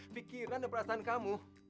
fikiran dan perasaan kamu